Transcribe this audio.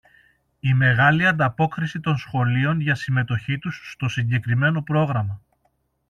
Η μεγάλη ανταπόκριση των σχολείων για συμμετοχή τους στο συγκεκριμένο πρόγραμμα